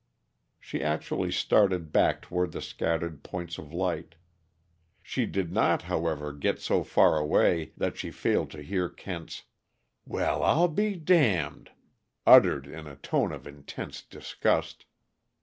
She actually started back toward the scattered points of light. She did not, however, get so faraway that she failed to hear Kent's "Well, I'll be damned!" uttered in a tone of intense disgust.